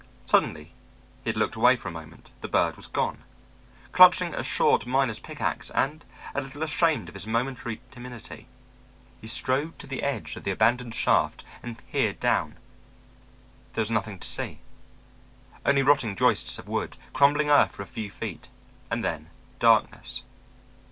Suddenly he had looked away for a moment the bird was gone. Clutching a short miner's pick ax, and a little ashamed of his momentary timidity, he strode to the edge of the abandoned shaft and peered down. There was nothing to see; only rotting joists of wood, crumbling earth for a few feet, and then darkness.